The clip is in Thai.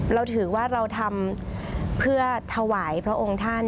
เราถือว่าเราทำเพื่อถวายพระองค์ท่าน